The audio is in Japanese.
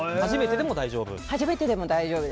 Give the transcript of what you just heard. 初めてでも大丈夫？